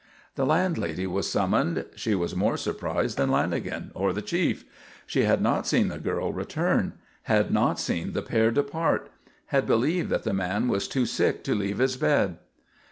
The landlady was summoned. She was more surprised than Lanagan or the chief. She had not seen the girl return; had not seen the pair depart; had believed that the man was too sick to leave his bed.